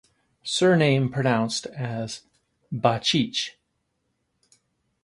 Surname pronounced as "bah-cheech".